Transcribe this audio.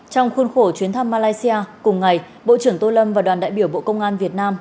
trong khuôn khổ chuyến thăm malaysia cùng ngày bộ trưởng tô lâm và đoàn đại biểu bộ công an việt nam